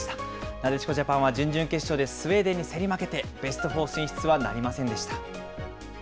なでしこジャパンは準々決勝でスウェーデンに競り負けて、ベストフォー進出はなりませんでした。